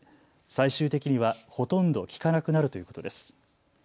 最終的にはほとんど利かなくなるということです。